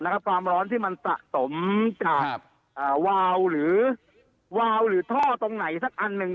ความร้อนที่มันสะสมจากวาวหรือวาวหรือท่อตรงไหนสักอันหนึ่ง